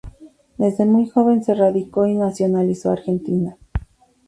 Desde muy joven se radicó y nacionalizó argentina.